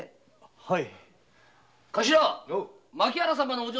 はい。